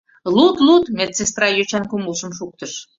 — Луд, луд! — медсестра йочан кумылжым шуктыш.